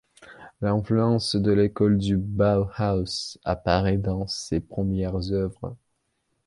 L'influence de l'école du Bauhaus apparait dans ses premières œuvres.